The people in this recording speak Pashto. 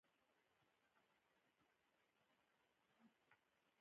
د احمد دستخط چې وشو نو معامله ختمه ده.